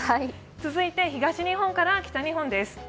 続いて東日本から北日本です。